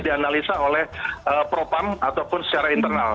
dianalisa oleh propam ataupun secara internal